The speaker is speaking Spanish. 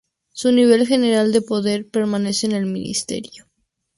Su nivel general de poder permanece en el misterio.